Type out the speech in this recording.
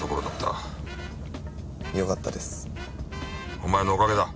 お前のおかげだ。